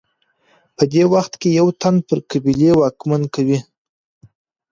په دې وخت کي یو تن پر قبیلې واکمني کوي.